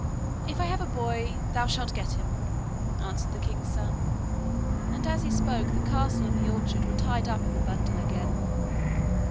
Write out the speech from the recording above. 'If I have a boy thou shalt get him,' answered the king's son, and as he spoke the castle and the orchard were tied up in the bundle again.